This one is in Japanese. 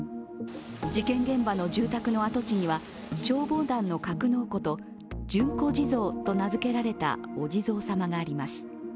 事件現場の住宅の跡地には消防団の格納庫と順子地蔵と名付けられたお地蔵様があります。